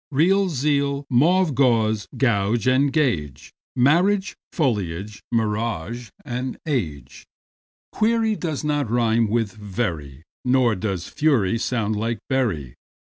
Real, zeal; mauve, gauze and gauge; Marriage, foliage, mirage, age. Query does not rime with very, Nor does fury sound like bury.